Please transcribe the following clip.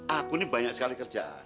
aku ini banyak sekali kerjaan